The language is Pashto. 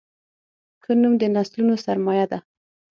ښه نوم د نسلونو سرمایه ده.